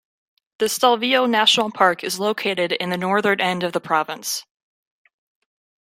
The Stelvio National Park is located in the northern end of the province.